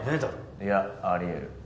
いやありえる。